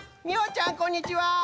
みおちゃんこんにちは。